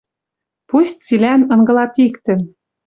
Пусть цилӓн ынгылат иктӹм;